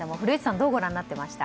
どうご覧になっていました？